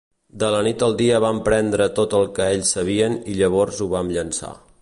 De la nit al dia vam prendre tot el que ells sabien i llavors o vam llençar.